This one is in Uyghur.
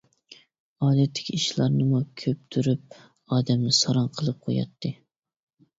ئادەتتىكى ئىشلارنىمۇ كۆپتۈرۈپ ئادەمنى ساراڭ قىلىپ قوياتتى.